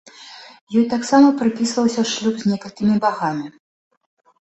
Ёй таксама прыпісваўся шлюб з некалькімі багамі.